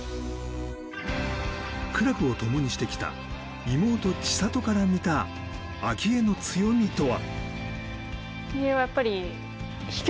苦楽をともにしてきた妹・千怜から見た明愛の強みとは。